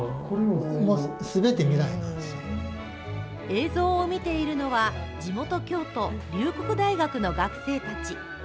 映像を見ているのは、地元、京都・龍谷大学の学生たち。